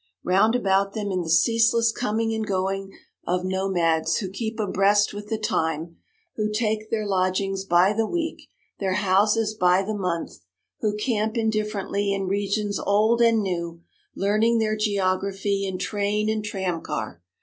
Round about them is the ceaseless coming and going of nomads who keep abreast with the time, who take their lodgings by the week, their houses by the month; who camp indifferently in regions old and new, learning their geography in train and tram car.